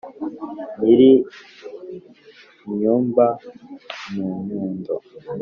nyiri inyumba, munyundo